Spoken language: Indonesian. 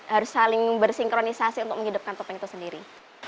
harus saling bersinkronisasi untuk menghidupkan topeng itu sendiri